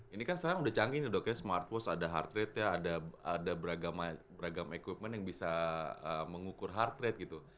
ini kan sekarang udah canggih nih dok ya smartwas ada heart rate ya ada beragam equipment yang bisa mengukur heart rate gitu